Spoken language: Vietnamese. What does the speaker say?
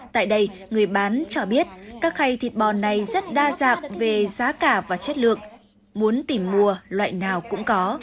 tại đây người bán cho biết các khay thịt bò này rất đa dạng về giá cả và chất lượng muốn tìm mua loại nào cũng có